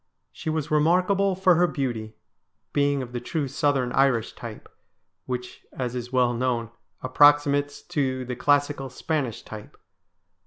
She was remarkable for her beauty, being of the true southern Irish type, which, as is well known, approximates to the classical Spanish type.